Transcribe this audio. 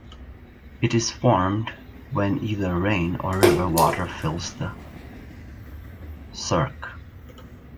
It is formed when either rain or river water fills the cirque.